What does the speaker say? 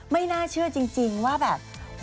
ไม่น่าเชื่อจริงว่าแบบ